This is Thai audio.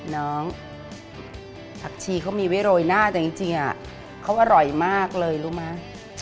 น้องผักชีเขามีไว้โรยหน้าแต่จริงเขาอร่อยมากเลยรู้ไหม